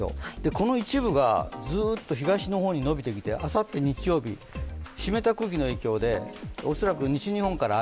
この一部がずっと東の方にのびてきてあさって日曜日湿った空気の影響で恐らく西日本から雨。